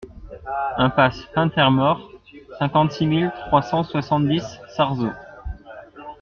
Impasse Hent er Mor, cinquante-six mille trois cent soixante-dix Sarzeau